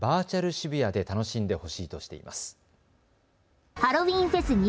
渋谷で楽しんでほしいとしています。